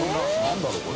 何だろう？